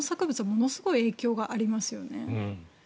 ものすごい影響がありますよね。